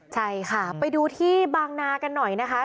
ใช่ค่ะไปดูที่บางนากันหน่อยนะคะ